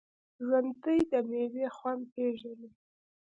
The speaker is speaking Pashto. ژوندي د میوې خوند پېژني